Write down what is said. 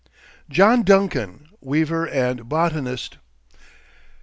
JOHN DUNCAN, WEAVER AND BOTANIST.